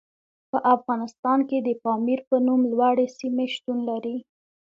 په افغانستان کې د پامیر په نوم لوړې سیمې شتون لري.